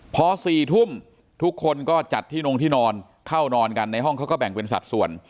พอ๔ทุ่มทุกคนก็จัดที่นงที่นอนเข้านอนกันในห้องเขาก็แบ่งเป็นสัดส่วน